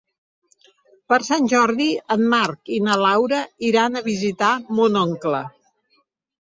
Per Sant Jordi en Marc i na Laura iran a visitar mon oncle.